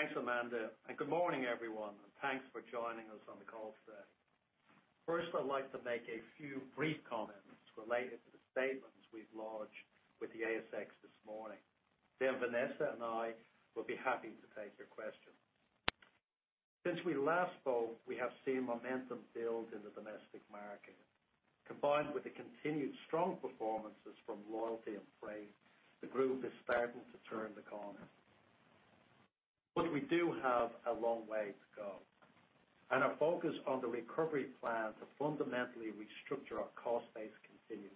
Thanks, Amanda. And good morning, everyone, and thanks for joining us on the call today. First, I'd like to make a few brief comments related to the statements we've lodged with the ASX this morning. Then Vanessa and I will be happy to take your questions. Since we last spoke, we have seen momentum build in the domestic market. Combined with the continued strong performances from Loyalty and Freight, the group is starting to turn the corner. But we do have a long way to go, and our focus on the recovery plan to fundamentally restructure our cost base continues.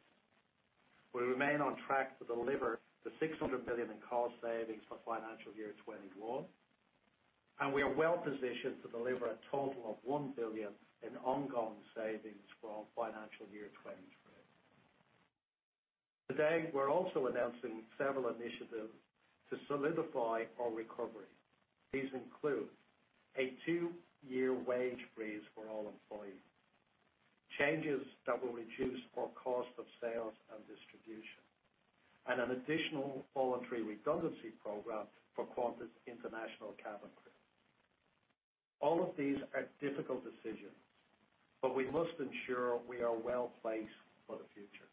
We remain on track to deliver the 600 million in cost savings for financial year 2021, and we are well positioned to deliver a total of 1 billion in ongoing savings for financial year 2023. Today, we're also announcing several initiatives to solidify our recovery. These include a two-year wage freeze for all employees, changes that will reduce our cost of sales and distribution, and an additional voluntary redundancy program for Qantas International Cabin Crew. All of these are difficult decisions, but we must ensure we are well placed for the future.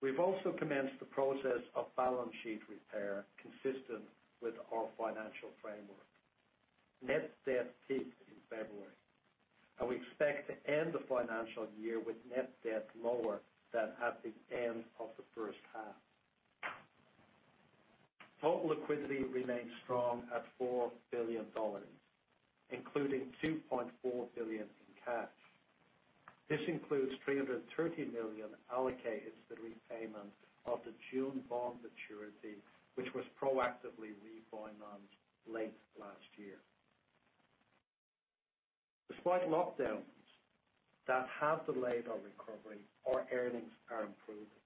We've also commenced the process of balance sheet repair consistent with our financial framework. Net debt peaked in February, and we expect to end the financial year with net debt lower than at the end of the first half. Total liquidity remains strong at 4 billion dollars, including 2.4 billion in cash. This includes 330 million allocated to the repayment of the June bond maturity, which was proactively refinanced late last year. Despite lockdowns that have delayed our recovery, our earnings are improving.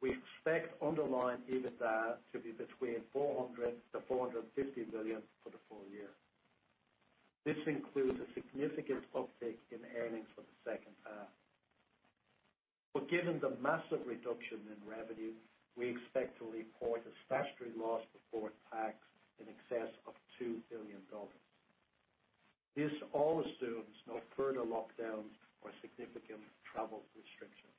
We expect underlying EBITDA to be between 400 to 450 million for the full year. This includes a significant uptick in earnings for the second half. But given the massive reduction in revenue, we expect to report a statutory loss before tax in excess of 2 billion dollars. This all assumes no further lockdowns or significant travel restrictions.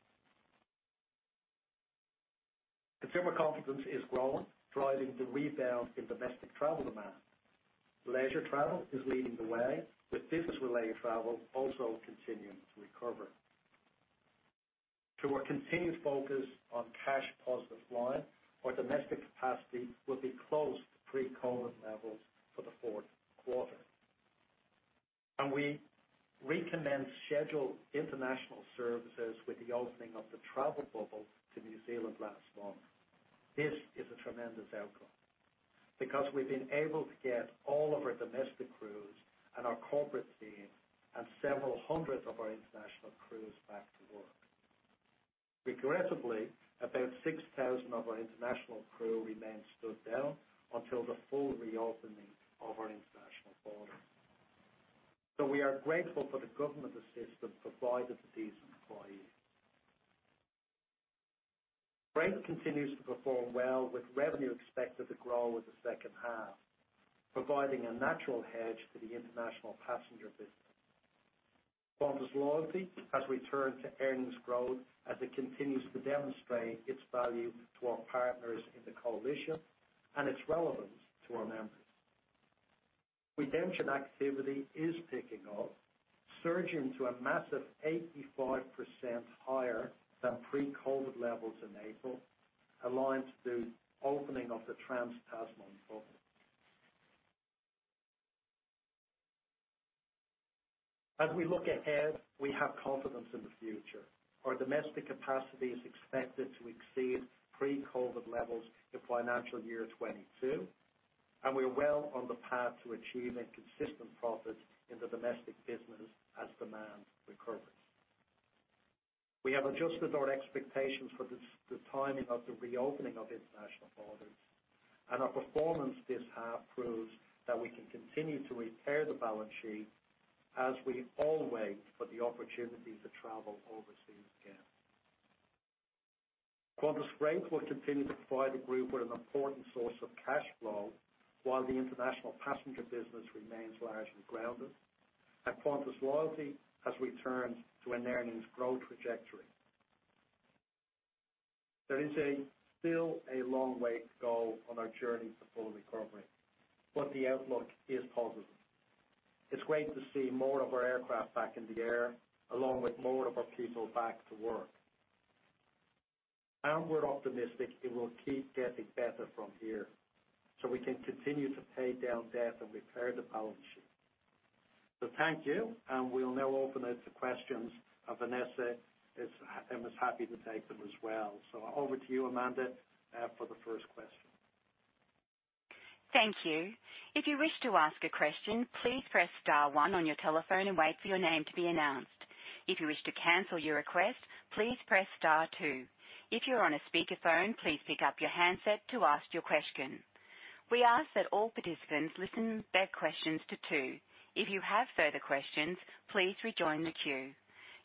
Consumer confidence is growing, driving the rebound in domestic travel demand. Leisure travel is leading the way, with business-related travel also continuing to recover. To our continued focus on cash-positive flying, our domestic capacity will be close to pre-COVID levels for the fourth quarter. And we recommenced scheduled international services with the opening of the travel bubble to New Zealand last month. This is a tremendous outcome because we've been able to get all of our domestic crews and our corporate team and several hundreds of our international crews back to work. Regrettably, about 6,000 of our international crew remain stood down until the full reopening of our international borders. So we are grateful for the government assistance provided to these employees. Freight continues to perform well, with revenue expected to grow in the second half, providing a natural hedge for the international passenger business. Qantas Loyalty has returned to earnings growth as it continues to demonstrate its value to our partners in the coalition and its relevance to our members. Redemption activity is picking up, surging to a massive 85% higher than pre-COVID levels in April, aligned to the opening of the Trans-Tasman port. As we look ahead, we have confidence in the future. Our domestic capacity is expected to exceed pre-COVID levels in financial year 2022, and we are well on the path to achieving consistent profits in the domestic business as demand recovers. We have adjusted our expectations for the timing of the reopening of international borders, and our performance this half proves that we can continue to repair the balance sheet as we all wait for the opportunity to travel overseas again. Qantas Freight will continue to provide the group with an important source of cash flow while the international passenger business remains largely grounded, and Qantas Loyalty has returned to an earnings growth trajectory. There is still a long way to go on our journey to full recovery, but the outlook is positive. It's great to see more of our aircraft back in the air, along with more of our people back to work, and we're optimistic it will keep getting better from here so we can continue to pay down debt and repair the balance sheet. So thank you, and we'll now open it to questions, and Vanessa is happy to take them as well. So over to you, Amanda, for the first question. Thank you. If you wish to ask a question, please press star one on your telephone and wait for your name to be announced. If you wish to cancel your request, please press star two. If you're on a speakerphone, please pick up your handset to ask your question. We ask that all participants limit their questions to two. If you have further questions, please rejoin the queue.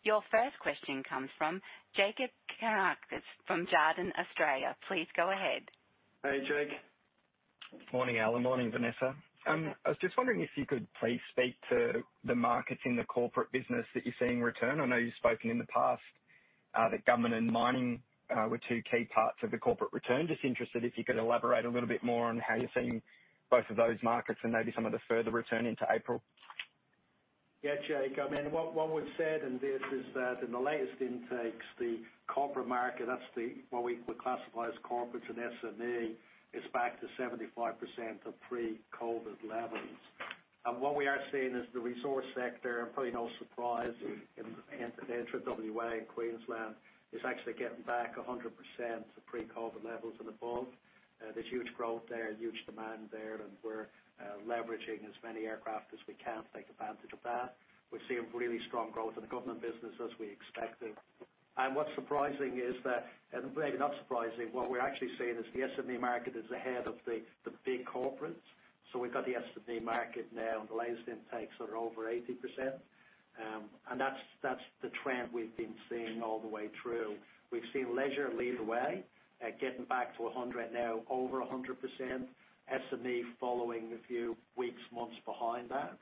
Your first question comes from Jakob Cakarnis from Jarden, Australia. Please go ahead. Hey, Jake. Morning, Alan. Morning, Vanessa. I was just wondering if you could please speak to the markets in the corporate business that you're seeing return. I know you've spoken in the past that government and mining were two key parts of the corporate return. Just interested if you could elaborate a little bit more on how you're seeing both of those markets and maybe some of the further return into April. Yeah, Jake. I mean, what we've said, and this is that in the latest intakes, the corporate market, that's what we classify as corporates and SME, is back to 75% of pre-COVID levels, and what we are seeing is the resource sector, and probably no surprise, in Energy, WA, and Queensland, is actually getting back 100% of pre-COVID levels and above. There's huge growth there, huge demand there, and we're leveraging as many aircraft as we can to take advantage of that. We're seeing really strong growth in the government business as we expected, and what's surprising is that, and maybe not surprising, what we're actually seeing is the SME market is ahead of the big corporates, so we've got the SME market now in the latest intakes that are over 80%, and that's the trend we've been seeing all the way through. We've seen leisure lead the way, getting back to now over 100%. SME following a few weeks, months behind that,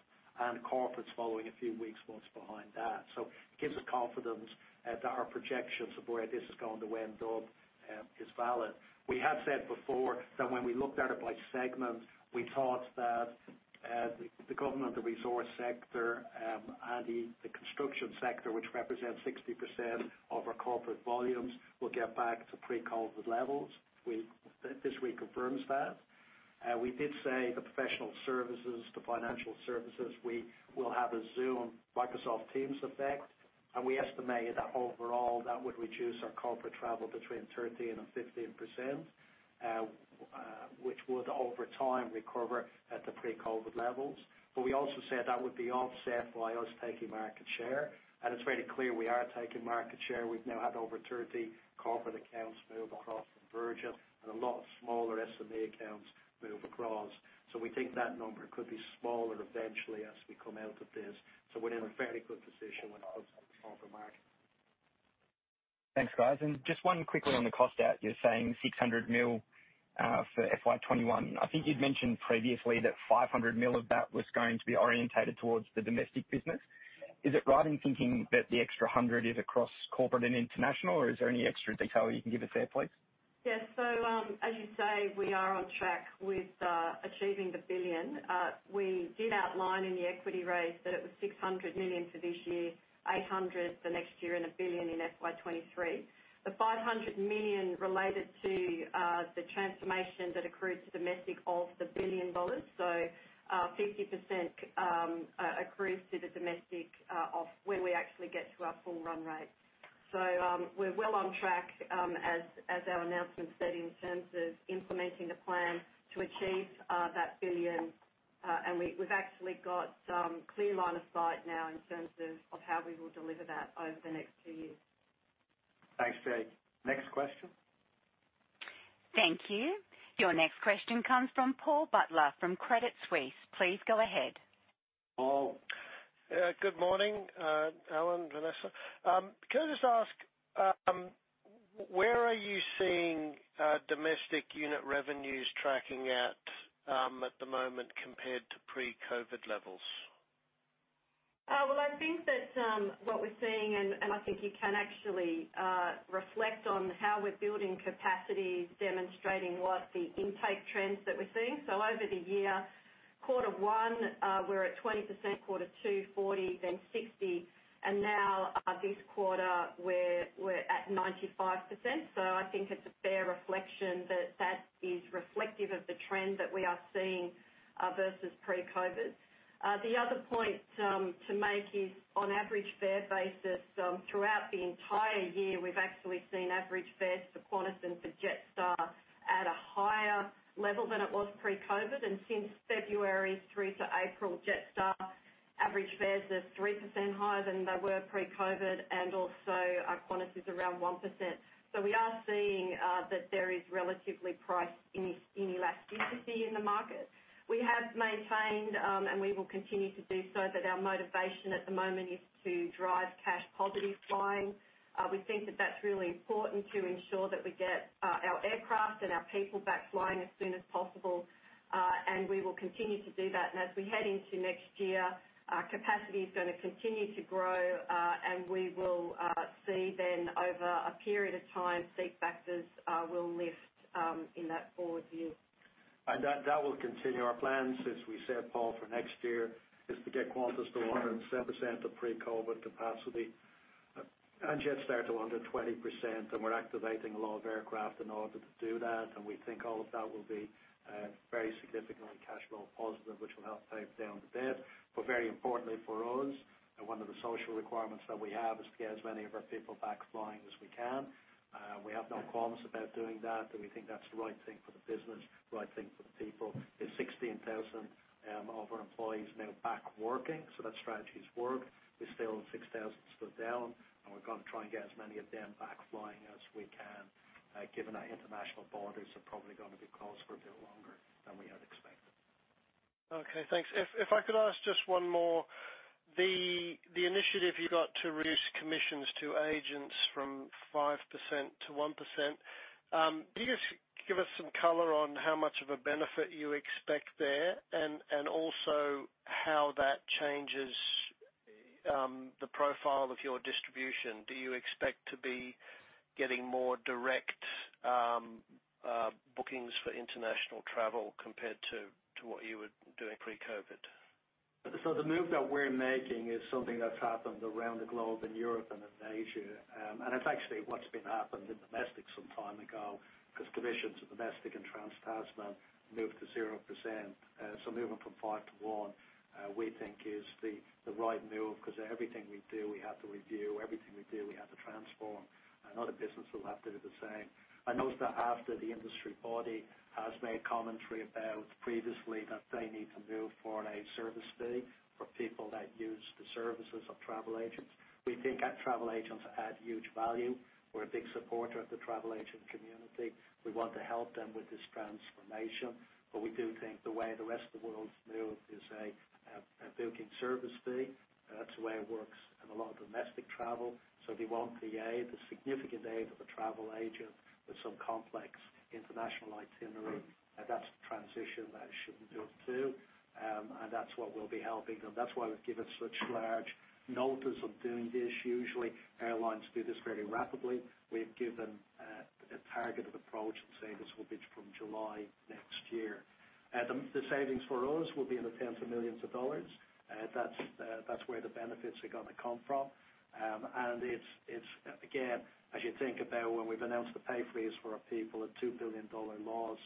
and corporates following a few weeks, months behind that. So it gives us confidence that our projections of where this is going to end up is valid. We have said before that when we looked at it by segment, we thought that the government, the resource sector, and the construction sector, which represents 60% of our corporate volumes, will get back to pre-COVID levels. This reconfirms that. We did say the professional services, the financial services, we will have a Zoom Microsoft Teams effect, and we estimate that overall that would reduce our corporate travel between 13% and 15%, which would over time recover at the pre-COVID levels. But we also said that would be offset by us taking market share. And it's very clear we are taking market share. We've now had over 30 corporate accounts move across from Virgin and a lot of smaller SME accounts move across. So we think that number could be smaller eventually as we come out of this. So we're in a very good position when it comes to the corporate market. Thanks, guys. And just one quick one on the cost out. You're saying 600 million for FY21. I think you'd mentioned previously that 500 million of that was going to be oriented towards the domestic business. Is it right in thinking that the extra 100 million is across corporate and international, or is there any extra detail you can give us there, please? Yes. So as you say, we are on track with achieving the 1 billion. We did outline in the equity raise that it was 600 million for this year, 800 million the next year, and a 1 billion in FY 2023. The 500 million related to the transformation that accrued to domestic of the 1 billion dollars. So 50% accrues to the domestic of where we actually get to our full run rate. So we're well on track as our announcement said in terms of implementing the plan to achieve that 1 billion. And we've actually got a clear line of sight now in terms of how we will deliver that over the next two years. Thanks, Jake. Next question. Thank you. Your next question comes from Paul Butler from Credit Suisse. Please go ahead. Paul. Good morning, Alan, Vanessa. Can I just ask, where are you seeing domestic unit revenues tracking at the moment compared to pre-COVID levels? I think that what we're seeing, and I think you can actually reflect on how we're building capacity, demonstrating what the intake trends that we're seeing. Over the year, quarter one, we're at 20%, quarter two, 40%, then 60%. Now this quarter, we're at 95%. I think it's a fair reflection that that is reflective of the trend that we are seeing versus pre-COVID. The other point to make is on average fare basis, throughout the entire year, we've actually seen average fares for Qantas and for Jetstar at a higher level than it was pre-COVID. Since February through to April, Jetstar average fares are 3% higher than they were pre-COVID, and also Qantas is around 1%. We are seeing that there is relatively price inelasticity in the market. We have maintained, and we will continue to do so, that our motivation at the moment is to drive cash-positive flying. We think that that's really important to ensure that we get our aircraft and our people back flying as soon as possible. And we will continue to do that. And as we head into next year, capacity is going to continue to grow, and we will see then over a period of time, seat factors will lift in that forward view. That will continue our plan, since we said, Paul, for next year is to get Qantas to 107% of pre-COVID capacity and Jetstar to under 20%. We're activating a lot of aircraft in order to do that. We think all of that will be very significantly cash-positive, which will help pay down the debt. Very importantly for us, one of the social requirements that we have is to get as many of our people back flying as we can. We have no qualms about doing that. We think that's the right thing for the business, the right thing for the people. There's 16,000 of our employees now back working, so that strategy has worked. We're still 6,000 stood down, and we're going to try and get as many of them back flying as we can, given that international borders are probably going to be closed for a bit longer than we had expected. Okay. Thanks. If I could ask just one more, the initiative you got to reduce commissions to agents from 5% to 1%, can you just give us some color on how much of a benefit you expect there and also how that changes the profile of your distribution? Do you expect to be getting more direct bookings for international travel compared to what you were doing pre-COVID? So the move that we're making is something that's happened around the globe in Europe and in Asia. And it's actually what's been happened in domestic some time ago because commissions in domestic and Trans-Tasman moved to 0%. So moving from 5% to 1%, we think, is the right move because everything we do, we have to review. Everything we do, we have to transform. And other businesses will have to do the same. I noticed that after the industry body has made commentary about previously that they need to move for a service fee for people that use the services of travel agents. We think that travel agents add huge value. We're a big supporter of the travel agent community. We want to help them with this transformation. But we do think the way the rest of the world's moved is a booking service fee. That's the way it works in a lot of domestic travel. So if you want the aid, the significant aid of a travel agent with some complex international itinerary, that's the transition that it should move to. And that's what we'll be helping them. That's why we've given such large notice of doing this. Usually, airlines do this very rapidly. We've given a targeted approach and say this will be from July next year. The savings for us will be in the tens of millions of AUD. That's where the benefits are going to come from. And again, as you think about when we've announced the pay freeze for our people and 2 billion dollar loss,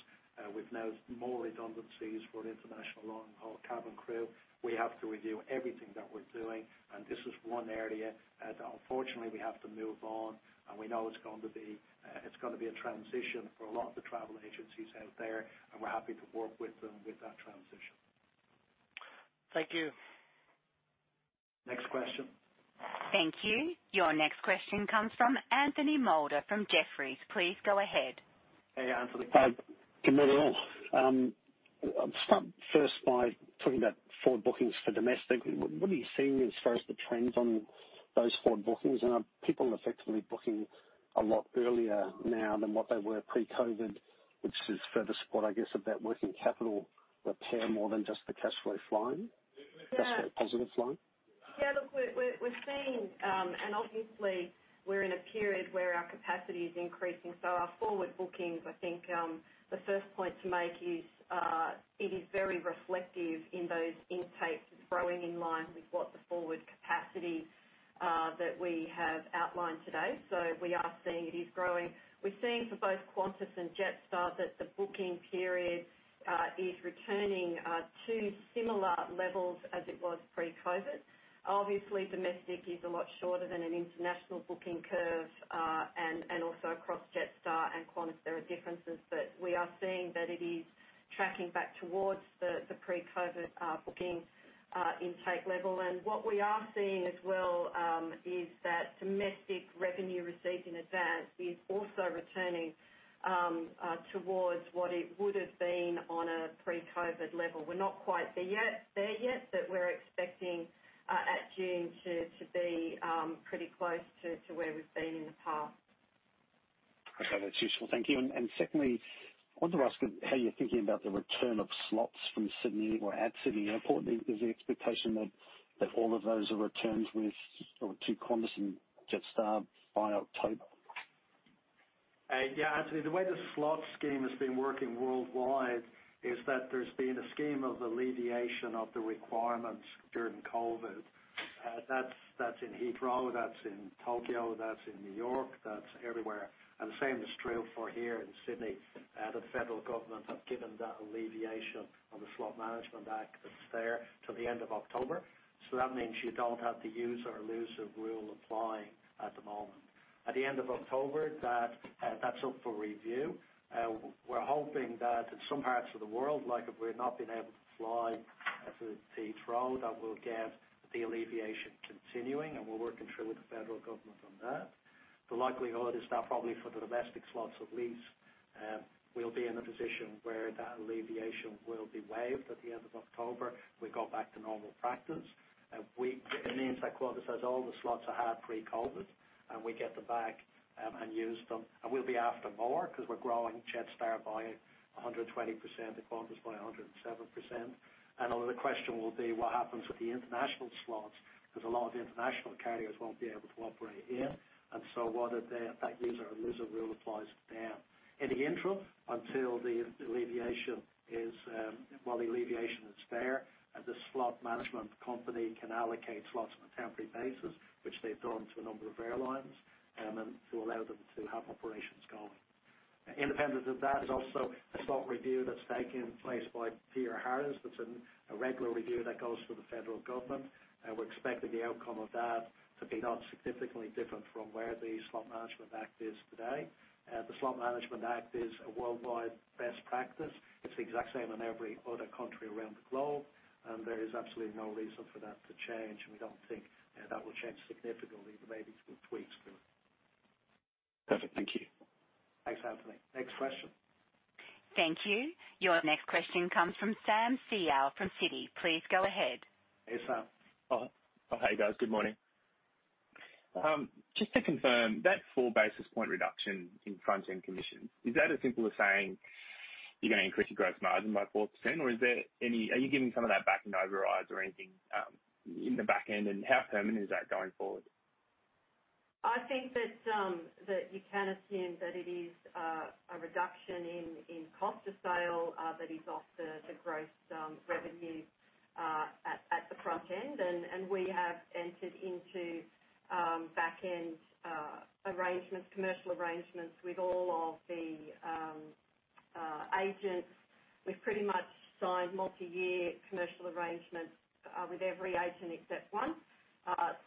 we've now more redundancies for international long-haul cabin crew. We have to review everything that we're doing. And this is one area that unfortunately we have to move on. And we know it's going to be a transition for a lot of the travel agencies out there. And we're happy to work with them with that transition. Thank you. Next question. Thank you. Your next question comes from Anthony Moulder from Jefferies. Please go ahead. Hey, Anthony. Hi. Good morning, all. I'll start first by talking about forward bookings for domestic. What are you seeing as far as the trends on those forward bookings? And are people effectively booking a lot earlier now than what they were pre-COVID, which is further support, I guess, of that working capital repair more than just the cash flow flying? Cash flow positive flying? Yeah. Look, we're seeing, and obviously, we're in a period where our capacity is increasing, so our forward bookings, I think the first point to make, is it is very reflective in those intakes growing in line with what the forward capacity that we have outlined today, so we are seeing it is growing. We're seeing for both Qantas and Jetstar that the booking period is returning to similar levels as it was pre-COVID. Obviously, domestic is a lot shorter than an international booking curve, and also across Jetstar and Qantas, there are differences, but we are seeing that it is tracking back towards the pre-COVID booking intake level, and what we are seeing as well is that domestic revenue received in advance is also returning towards what it would have been on a pre-COVID level. We're not quite there yet, but we're expecting at June to be pretty close to where we've been in the past. Okay. That's useful. Thank you. And secondly, I wanted to ask how you're thinking about the return of slots from Sydney or at Sydney Airport. Is the expectation that all of those are returned with or to Qantas and Jetstar by October? Yeah. Actually, the way the slot scheme has been working worldwide is that there's been a scheme of alleviation of the requirements during COVID. That's in Heathrow. That's in Tokyo. That's in New York. That's everywhere. And the same is true for here in Sydney. The federal government have given that alleviation on the Slot Management Act that's there till the end of October. So that means you don't have to use or lose a rule applying at the moment. At the end of October, that's up for review. We're hoping that in some parts of the world, like if we're not being able to fly to Heathrow, that we'll get the alleviation continuing. And we're working through with the federal government on that. The likelihood is that probably for the domestic slots at least, we'll be in a position where that alleviation will be waived at the end of October. We go back to normal practice. It means that Qantas has all the slots it had pre-COVID, and we get them back and use them, and we'll be after more because we're growing Jetstar by 120%, the Qantas by 107%, and the question will be what happens with the international slots because a lot of international carriers won't be able to operate here, and so whether that use or lose a rule applies to them. In the interim, until the alleviation is, well, the alleviation is there, the slot management company can allocate slots on a temporary basis, which they've done to a number of airlines, and to allow them to have operations going. Independent of that is also a slot review that's taking place by Peter Harris. That's a regular review that goes to the federal government. And we're expecting the outcome of that to be not significantly different from where the Slot Management Act is today. The Slot Management Act is a worldwide best practice. It's the exact same in every other country around the globe. And there is absolutely no reason for that to change. And we don't think that will change significantly in maybe two weeks too. Perfect. Thank you. Thanks, Anthony. Next question. Thank you. Your next question comes from Sam Seow from Citi. Please go ahead. Hey, Sam. Oh, hey, guys. Good morning. Just to confirm, that four basis point reduction in front-end commissions, is that as simple as saying you're going to increase your gross margin by 4%? or are you giving some of that back in overrides or anything in the back end? and how permanent is that going forward? I think that you can assume that it is a reduction in cost of sales that is off the gross revenue at the front end, and we have entered into back-end arrangements, commercial arrangements with all of the agents. We've pretty much signed multi-year commercial arrangements with every agent except one,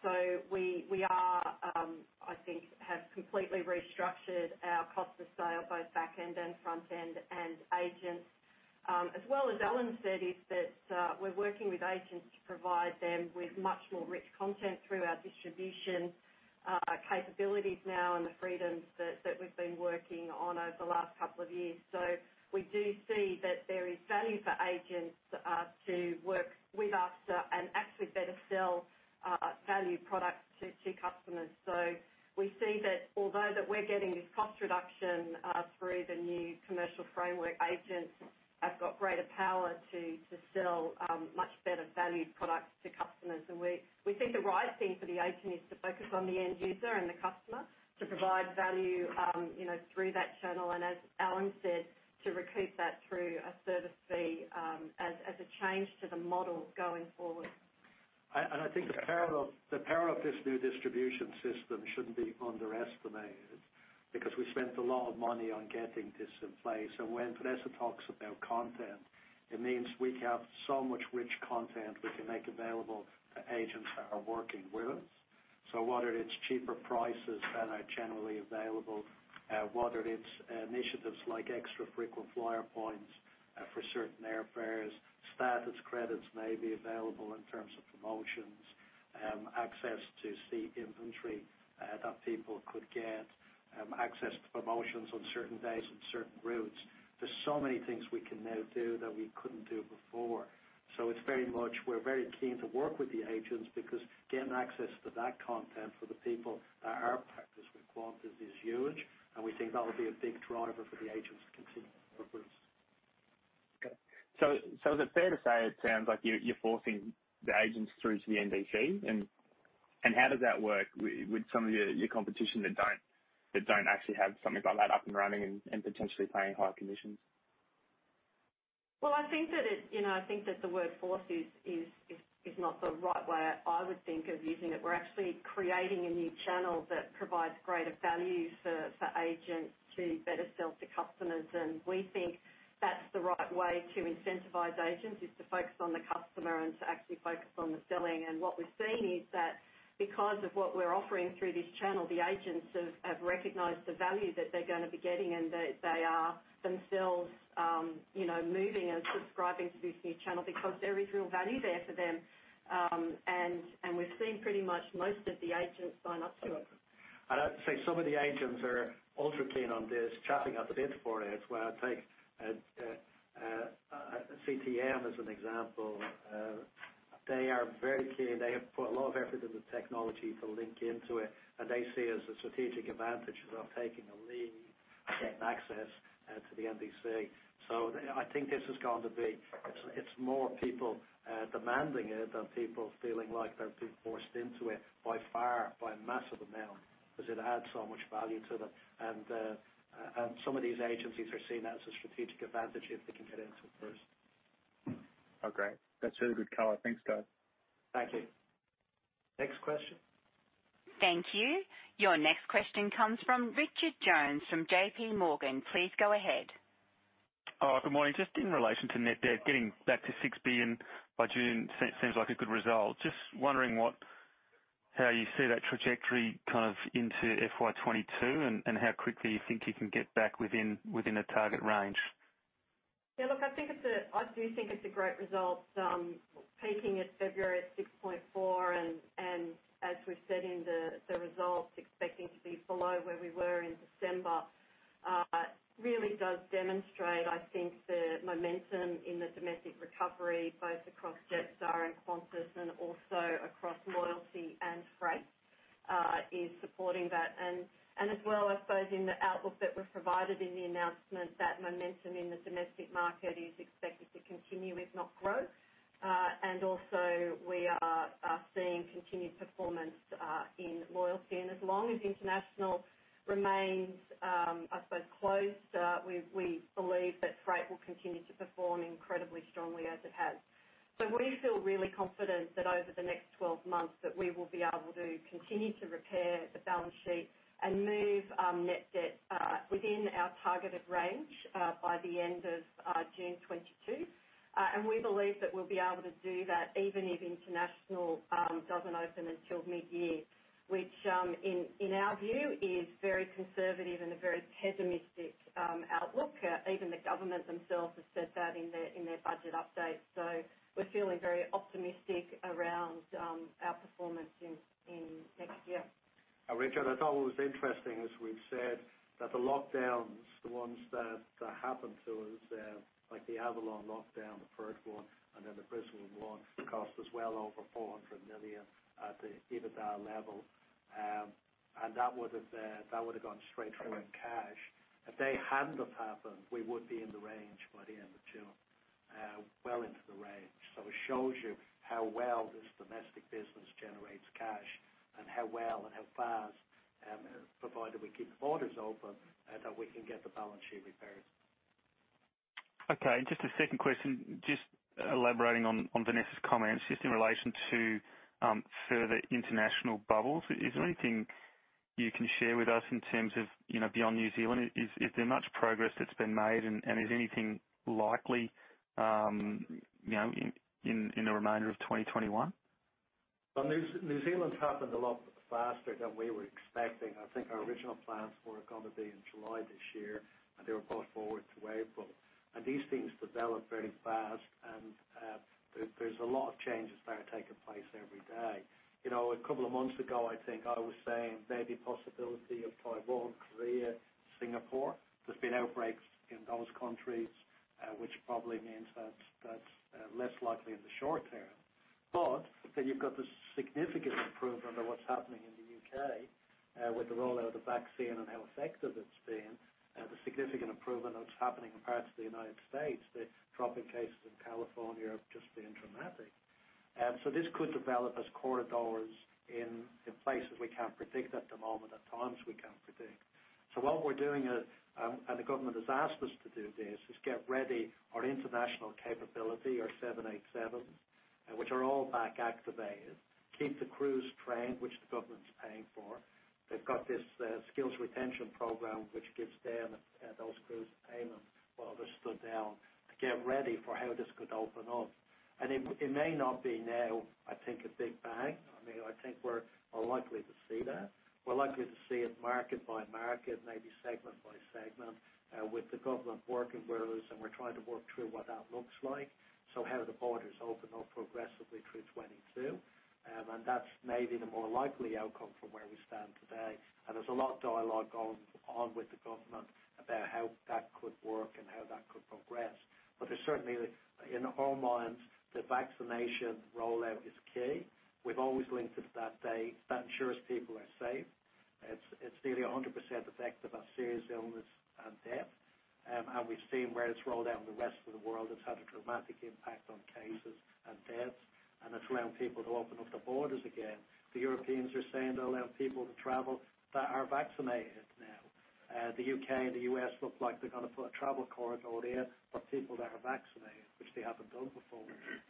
so we are, I think, have completely restructured our cost of sales, both back-end and front-end and agents. As well as Alan said, is that we're working with agents to provide them with much more rich content through our distribution capabilities now and the freedoms that we've been working on over the last couple of years, so we do see that there is value for agents to work with us and actually better sell value products to customers. So we see that although we're getting this cost reduction through the new commercial framework, agents have got greater power to sell much better value products to customers. And we think the right thing for the agent is to focus on the end user and the customer to provide value through that channel. And as Alan said, to recoup that through a service fee as a change to the model going forward. And I think the parallel of this new distribution system shouldn't be underestimated because we spent a lot of money on getting this in place. And when Vanessa talks about content, it means we have so much rich content we can make available to agents that are working with us. So whether it's cheaper prices that are generally available, whether it's initiatives like extra frequent flyer points for certain airfares, status credits may be available in terms of promotions, access to seat inventory that people could get, access to promotions on certain days on certain routes. There's so many things we can now do that we couldn't do before. So it's very much we're very keen to work with the agents because getting access to that content for the people that are partners with Qantas is huge. We think that will be a big driver for the agents to continue to work with us. Okay. So is it fair to say it sounds like you're forcing the agents through to the NDC? And how does that work with some of your competition that don't actually have something like that up and running and potentially paying high commissions? Well, I think the word force is not the right way I would think of using it. We're actually creating a new channel that provides greater value for agents to better sell to customers. And we think that's the right way to incentivize agents is to focus on the customer and to actually focus on the selling. And what we've seen is that because of what we're offering through this channel, the agents have recognized the value that they're going to be getting and that they are themselves moving and subscribing to this new channel because there is real value there for them. And we've seen pretty much most of the agents sign up to it. I'd say some of the agents are ultra keen on this, chomping at the bit for it. If we take CTM as an example, they are very keen. They have put a lot of effort into the technology to link into it. And they see it as a strategic advantage of taking a lead and getting access to the NDC. So I think this has got to be it's more people demanding it than people feeling like they've been forced into it by far, by a massive amount because it adds so much value to them. And some of these agencies are seeing that as a strategic advantage if they can get into it first. Oh, great. That's really good color. Thanks, guys. Thank you. Next question. Thank you. Your next question comes from Richard Jones from JPMorgan. Please go ahead. Oh, good morning. Just in relation to Net Debt, getting back to 6B by June seems like a good result. Just wondering how you see that trajectory kind of into FY 2022 and how quickly you think you can get back within a target range? Yeah. Look, I think it's a, I do think it's a great result, peaking at February at 6.4, and as we've said in the results, expecting to be below where we were in December, really does demonstrate, I think, the momentum in the domestic recovery both across Jetstar and Qantas and also across loyalty and freight is supporting that, and as well, I suppose in the outlook that was provided in the announcement, that momentum in the domestic market is expected to continue if not grow, and also, we are seeing continued performance in loyalty, and as long as international remains, I suppose, closed, we believe that freight will continue to perform incredibly strongly as it has. So we feel really confident that over the next 12 months that we will be able to continue to repair the balance sheet and move Net Debt within our targeted range by the end of June 2022. And we believe that we'll be able to do that even if international doesn't open until mid-year, which in our view is very conservative and a very pessimistic outlook. Even the government themselves have said that in their budget update. So we're feeling very optimistic around our performance in next year. Richard, I thought what was interesting is we've said that the lockdowns, the ones that happened to us, like the Avalon lockdown, the Perth, and then the Brisbane one, cost us well over 400 million at the EBITDA level, and that would have gone straight through in cash. If they hadn't have happened, we would be in the range by the end of June, well into the range, so it shows you how well this domestic business generates cash and how well and how fast, provided we keep the borders open, that we can get the balance sheet repaired. Okay. And just a second question, just elaborating on Vanessa's comments, just in relation to further international bubbles, is there anything you can share with us in terms of beyond New Zealand? Is there much progress that's been made? And is anything likely in the remainder of 2021? New Zealand's happened a lot faster than we were expecting. I think our original plans were going to be in July this year, and they were put forward to April, and these things develop very fast. There's a lot of changes that are taking place every day. A couple of months ago, I think I was saying maybe possibility of Taiwan, Korea, Singapore. There's been outbreaks in those countries, which probably means that's less likely in the short term, but then you've got the significant improvement of what's happening in the U.K. with the rollout of the vaccine and how effective it's been. The significant improvement that's happening compared to the United States, the drop in cases in California just being dramatic, so this could develop as corridors in places we can't predict at the moment, at times we can't predict. So what we're doing, and the government has asked us to do this, is get ready our international capability, our 787s, which are all back activated, keep the crews trained, which the government's paying for. They've got this skills retention program, which gives them and those crews payment while they're stood down to get ready for how this could open up. And it may not be now, I think, a big bang. I mean, I think we're likely to see that. We're likely to see it market by market, maybe segment by segment, with the government working with us. And we're trying to work through what that looks like. So how the borders open up progressively through 2022. And that's maybe the more likely outcome from where we stand today. And there's a lot of dialogue going on with the government about how that could work and how that could progress. But certainly, in our minds, the vaccination rollout is key. We've always linked it to that day. That ensures people are safe. It's nearly 100% effective at serious illness and death. And we've seen where it's rolled out in the rest of the world. It's had a dramatic impact on cases and deaths. And it's allowing people to open up the borders again. The Europeans are saying they'll allow people to travel that are vaccinated now. The U.K. and the U.S. look like they're going to put a travel corridor there for people that are vaccinated, which they haven't done before.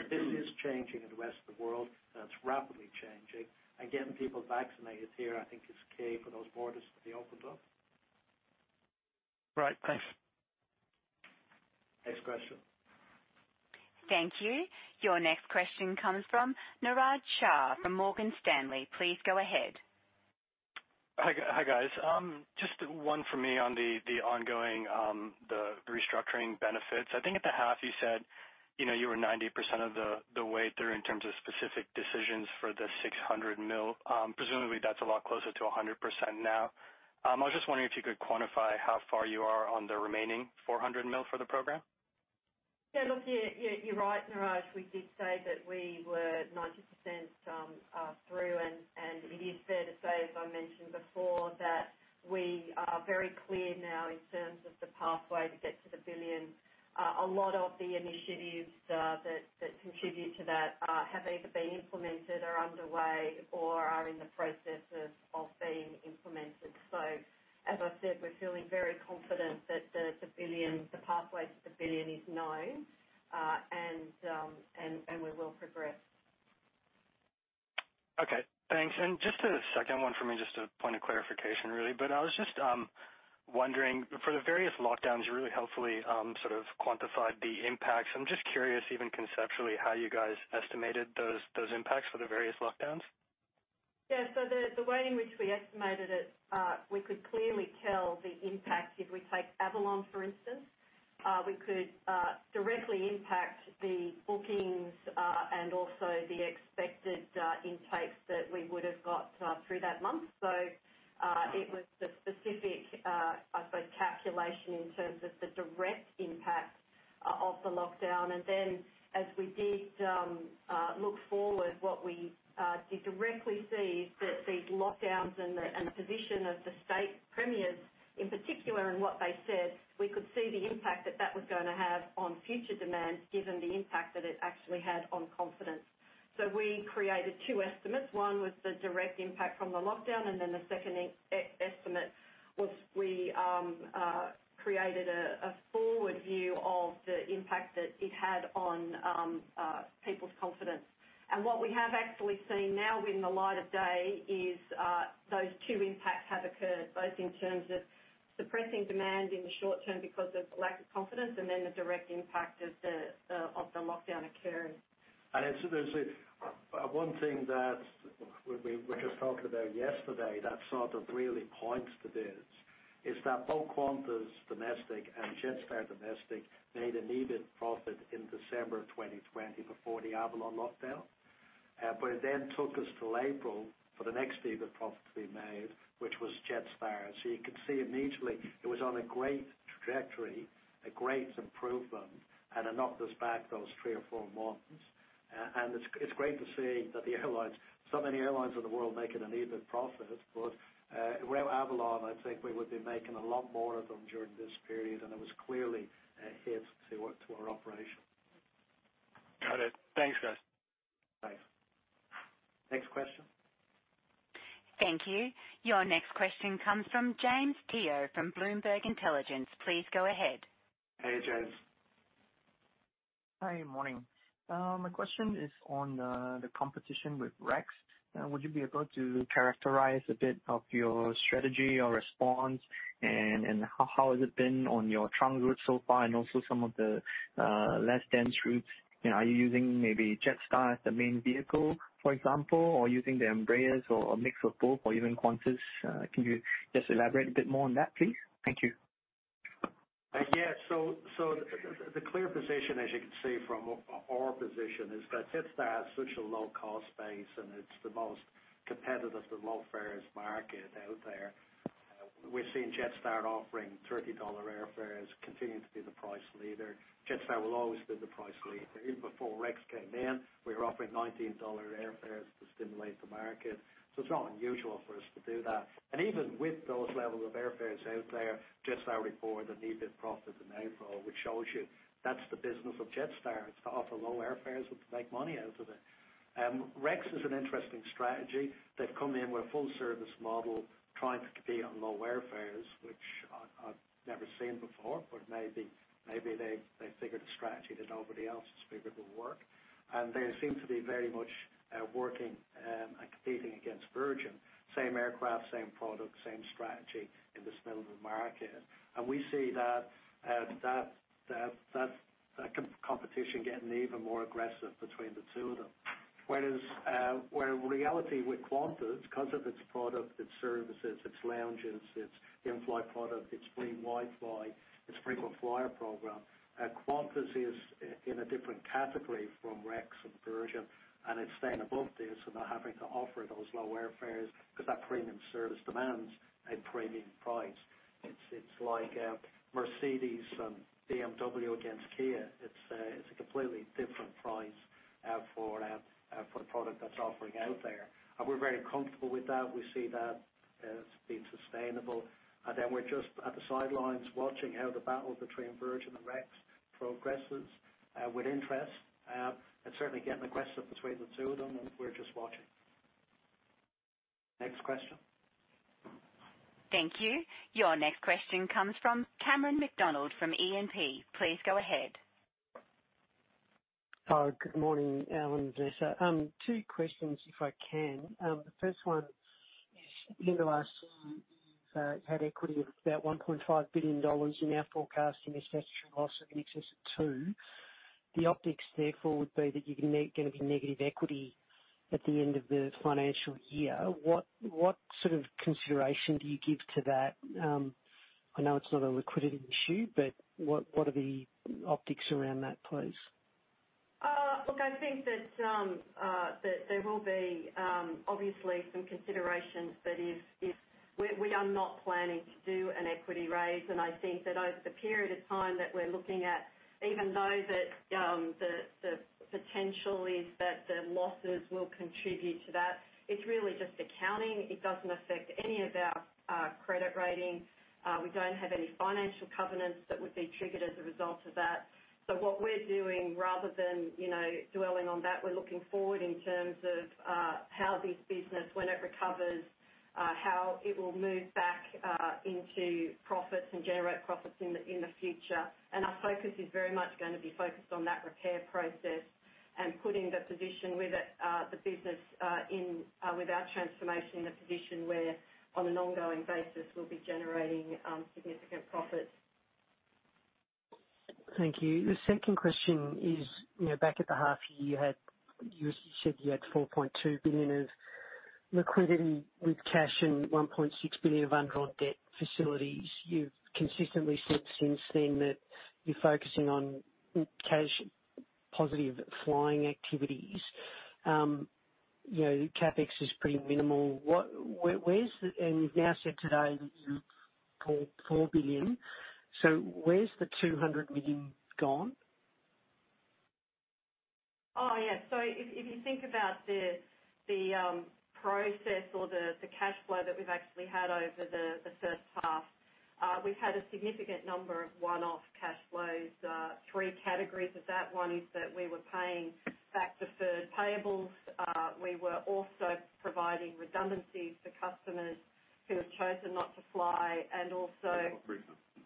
This is changing in the rest of the world, and it's rapidly changing. Getting people vaccinated here, I think, is key for those borders to be opened up. Right. Thanks. Next question. Thank you. Your next question comes from Niraj Shah from Morgan Stanley. Please go ahead. Hi, guys. Just one from me on the ongoing restructuring benefits. I think at the half, you said you were 90% of the way through in terms of specific decisions for the 600 million. Presumably, that's a lot closer to 100% now. I was just wondering if you could quantify how far you are on the remaining 400 million for the program. Yeah. Look, you're right, Niraj. We did say that we were 90% through, and it is fair to say, as I mentioned before, that we are very clear now in terms of the pathway to get to the billion. A lot of the initiatives that contribute to that have either been implemented or underway or are in the process of being implemented, so, as I said, we're feeling very confident that the pathway to the billion is known, and we will progress. Okay. Thanks. And just a second one for me, just a point of clarification, really. But I was just wondering, for the various lockdowns, you really helpfully sort of quantified the impacts. I'm just curious, even conceptually, how you guys estimated those impacts for the various lockdowns? Yeah. So the way in which we estimated it, we could clearly tell the impact. If we take Avalon, for instance, we could directly impact the bookings and also the expected intakes that we would have got through that month. So it was the specific, I suppose, calculation in terms of the direct impact of the lockdown. And then, as we did look forward, what we did directly see is that these lockdowns and the position of the state premiers in particular and what they said, we could see the impact that that was going to have on future demand given the impact that it actually had on confidence. So we created two estimates. One was the direct impact from the lockdown. And then the second estimate was we created a forward view of the impact that it had on people's confidence. What we have actually seen now in the light of day is those two impacts have occurred, both in terms of suppressing demand in the short term because of lack of confidence and then the direct impact of the lockdown occurring. And so there's one thing that we were just talking about yesterday that sort of really points to this, is that both Qantas Domestic and Jetstar Domestic made an EBIT profit in December 2020 before the Avalon lockdown. But it then took us to April for the next EBIT profit to be made, which was Jetstar. And so you could see immediately it was on a great trajectory, a great improvement, and it knocked us back those three or four months. And it's great to see that the airlines, so many airlines in the world, making an EBIT profit. But with Avalon, I think we would be making a lot more of them during this period. And it was clearly a hit to our operation. Got it. Thanks, guys. Thanks. Next question. Thank you. Your next question comes from James Teo from Bloomberg Intelligence. Please go ahead. Hey, James. Hi, good morning. My question is on the competition with Rex. Would you be able to characterize a bit of your strategy, your response, and how has it been on your trunk route so far and also some of the less dense routes? Are you using maybe Jetstar as the main vehicle, for example, or using the Embraers or a mix of both or even Qantas? Can you just elaborate a bit more on that, please? Thank you. Yeah. So the clear position, as you can see from our position, is that Jetstar has such a low-cost base and it's the most competitive, the low-fare market out there. We're seeing Jetstar offering 30 dollar airfares, continuing to be the price leader. Jetstar will always be the price leader. Even before Rex came in, we were offering 19 dollar airfares to stimulate the market. So it's not unusual for us to do that. And even with those levels of airfares out there, Jetstar reported an EBIT profit in April, which shows you that's the business of Jetstar. It's to offer low airfares and to make money out of it. Rex is an interesting strategy. They've come in with a full-service model trying to compete on low airfares, which I've never seen before. But maybe they've figured a strategy that nobody else has figured will work. And they seem to be very much working and competing against Virgin. Same aircraft, same product, same strategy in this middle of the market. And we see that competition getting even more aggressive between the two of them. Whereas in reality, with Qantas, because of its product, its services, its lounges, its in-flight product, its free Wi-Fi, its frequent flyer program, Qantas is in a different category from Rex and Virgin. And it's staying above this and not having to offer those low airfares because that premium service demands a premium price. It's like Mercedes and BMW against Kia. It's a completely different price for the product that's offering out there. And we're very comfortable with that. We see that it's been sustainable. And then we're just at the sidelines watching how the battle between Virgin and Rex progresses with interest. And certainly getting aggressive between the two of them. And we're just watching. Next question. Thank you. Your next question comes from Cameron McDonald from E&P. Please go ahead. Good morning, Alan and Vanessa. Two questions, if I can. The first one is, in the last year, you've had equity of about 1.5 billion dollars in our forecast in excess of loss of in excess of two. The optics, therefore, would be that you're going to be negative equity at the end of the financial year. What sort of consideration do you give to that? I know it's not a liquidity issue, but what are the optics around that, please? Look, I think that there will be, obviously, some considerations. But we are not planning to do an equity raise. And I think that over the period of time that we're looking at, even though that the potential is that the losses will contribute to that, it's really just accounting. It doesn't affect any of our credit rating. We don't have any financial covenants that would be triggered as a result of that. So what we're doing, rather than dwelling on that, we're looking forward in terms of how this business, when it recovers, how it will move back into profits and generate profits in the future. And our focus is very much going to be focused on that repair process and putting the position with the business with our transformation in a position where, on an ongoing basis, we'll be generating significant profits. Thank you. The second question is, back at the half year, you said you had 4.2 billion of liquidity with cash and 1.6 billion of underwritten debt facilities. You've consistently said since then that you're focusing on cash-positive flying activities. CapEx is pretty minimal. And you've now said today that you've pulled 4 billion. So where's the 200 million gone? Oh, yeah. So if you think about the process or the cash flow that we've actually had over the first half, we've had a significant number of one-off cash flows. Three categories of that. One is that we were paying back deferred payables. We were also providing redundancies to customers who have chosen not to fly and also.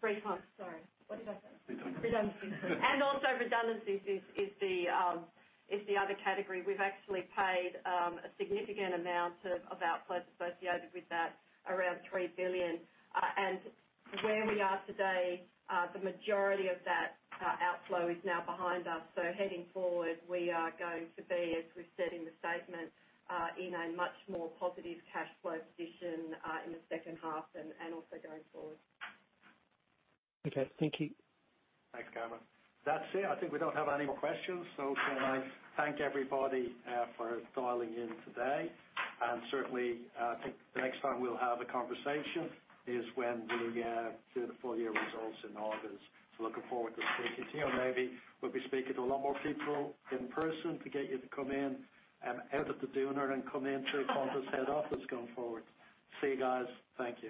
Free time. Free time. Sorry. What did I say? Free time. Redundancies. And also, redundancies is the other category. We've actually paid a significant amount of outflows associated with that, around 3 billion. And where we are today, the majority of that outflow is now behind us. So heading forward, we are going to be, as we've said in the statement, in a much more positive cash flow position in the second half and also going forward. Okay. Thank you. Thanks, Cameron. That's it. I think we don't have any more questions. So can I thank everybody for dialing in today? And certainly, I think the next time we'll have a conversation is when we do the full year results in August. So looking forward to speaking to you. And maybe we'll be speaking to a lot more people in person to get you to come in out of the cold and come into Qantas head office going forward. See you guys. Thank you.